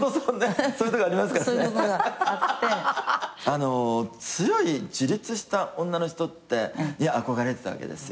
あの強い自立した女の人って憧れてたわけですよ。